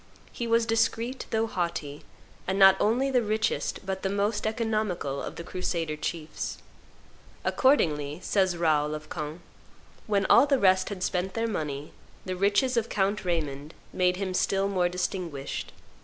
He was discreet though haughty, and not only the richest but the most economical of the crusader chiefs: "Accordingly," says Raoul of Caen, "when all the rest had spent their money, the riches of Count Raymond made him still more distinguished.